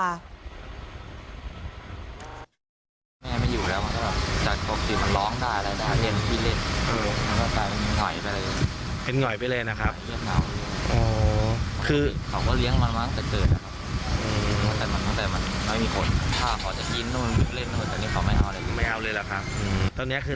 แม่ไม่อยู่แล้วจากตกสิ่งมันร้องได้แล้ว